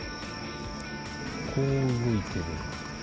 こう動いてる。